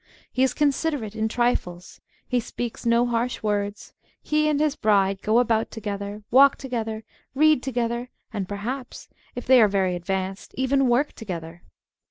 He is considerate in trifles, he speaks no harsh words, he and his bride go about together, walk together, read together, and perhaps, if they are very advanced, even work to gether.